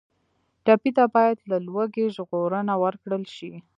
ټپي ته باید له لوږې ژغورنه ورکړل شي.